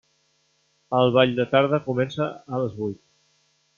El ball de tarda comença a les vuit.